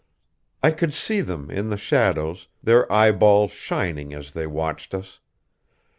I could see them, in the shadows, their eyeballs shining as they watched us....